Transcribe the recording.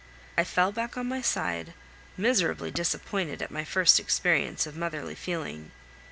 I fell back on my side, miserably disappointed at my first experience of motherly feeling.